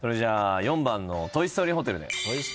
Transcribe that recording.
４番のトイ・ストーリーホテルで。